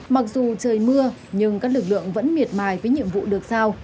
mặc dù trời mưa nhưng các lực lượng vẫn miệt mài với nhiệm vụ được sao